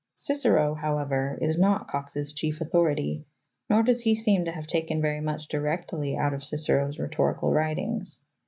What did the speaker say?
"^ Cicero however is not Cox's chief authority, nor does he seem to have taken very much directly out of Cicero's rhetorical writings.'